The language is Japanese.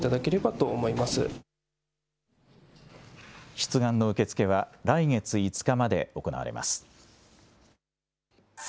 出願の受け付けは来月５日まで行われます。